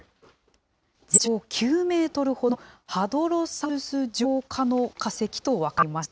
全長９メートルほどの、ハドロサウルス上科の化石と分かりました。